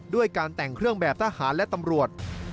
ด้วยการแต่งเครื่องแบบทหารและตำรวจ